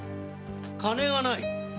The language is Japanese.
金はない？